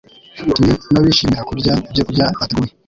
kimwe n’abishimira kurya ibyokurya bateguye,